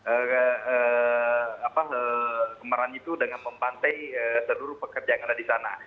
mereka melihat dan memotret kemarahan itu dengan mempantai seluruh pekerjaan yang ada di sana